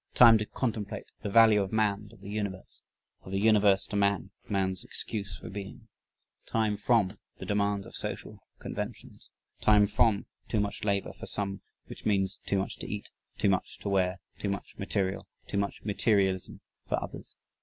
Time to contemplate the value of man to the universe, of the universe to man, man's excuse for being. Time FROM the demands of social conventions. Time FROM too much labor for some, which means too much to eat, too much to wear, too much material, too much materialism for others.